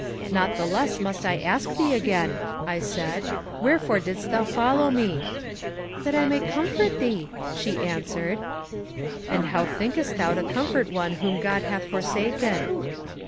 Not the less must I ask thee again, I said, wherefore didst thou follow me? That I may comfort thee, she answered. And how thinkest thou to comfort one whom God hath forsaken?